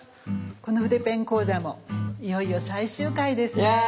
この筆ペン講座もいよいよ最終回ですね。